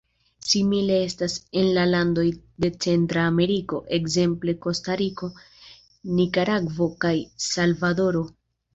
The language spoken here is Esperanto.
Simile estas en la landoj de Centra Ameriko, ekzemple Kostariko, Nikaragvo kaj Salvadoro.